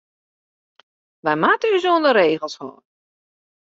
Wy moatte ús oan de regels hâlde.